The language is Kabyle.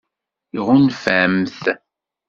Tɣunfamt-t?